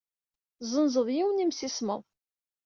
Tessenzeḍ yiwen n yemsismeḍ.